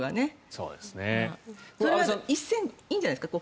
それはいいんじゃないですか